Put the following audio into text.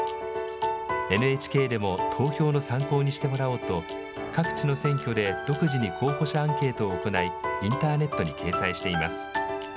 ＮＨＫでも投票の参考にしてもらおうと各地の選挙で独自に候補者アンケートを行いインターネットに掲載しています。